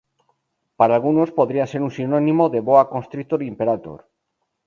Para algunos podría ser un sinónimo de "Boa constrictor imperator".